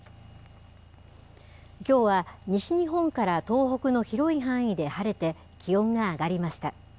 きょうは西日本から東北の広い範囲で晴れて、気温が上がりました。